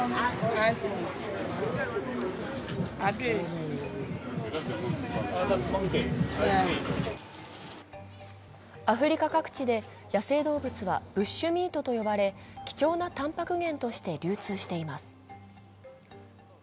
アフリカ各地で、野生動物はブッシュミートと呼ばれ貴重なたんぱく源として流通しています。